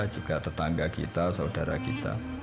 juga tetangga kita saudara kita